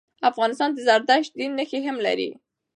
افغانستان د زردشت دین نښي هم لري.